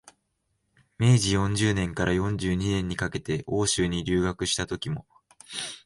明治四十年から四十二年にかけて欧州に留学したときも、